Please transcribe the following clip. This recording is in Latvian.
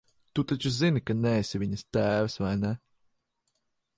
Tu taču zini, ka neesi viņas tēvs, vai ne?